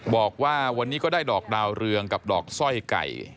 บอกว่าวันนี้ก็ได้ดอกดาวเรืองกับดอกสร้อยไก่